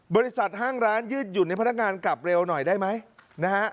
ห้างร้านยืดหยุ่นให้พนักงานกลับเร็วหน่อยได้ไหมนะฮะ